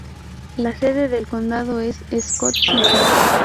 La sede del condado es Scott City.